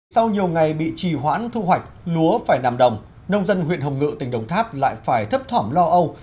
sau nhiều ngày bị trì hoãn thu hoạch lúa phải nằm đồng nông dân huyện hồng ngự tỉnh đồng tháp lại phải thấp thỏm lo âu